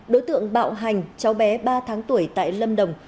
đối tượng bạo hành cháu bé ba tháng tuổi tại lâm đồng